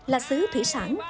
là sứ thủy sản